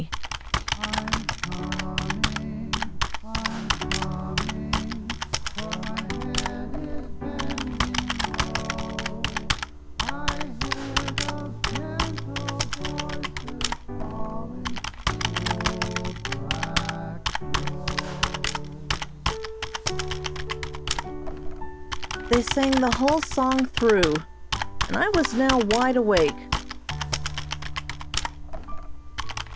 They sang the whole song through, and I was now wide awake.